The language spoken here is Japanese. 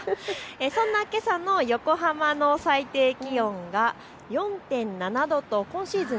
そんなけさの横浜の最低気温が４．７度と今シーズン